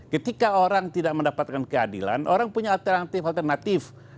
ketika orang tidak mendapatkan keadilan orang punya alternatif alternatif